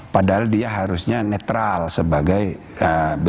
padahal dia harusnya netral sebagai bentuk